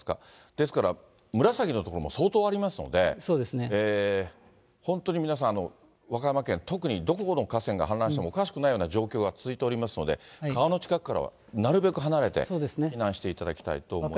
ですから、紫の所も相当ありますので、本当に皆さん、和歌山県、特に、どこの河川が氾濫してもおかしくないような状況が続いておりますので、川の近くからはなるべく離れて避難していただきたいと思います。